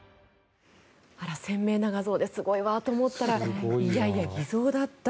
あら、鮮明な画像ですごいわと思ったらいやいや、偽造だった。